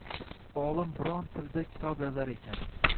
Olim biron tilda kitob yozar ekan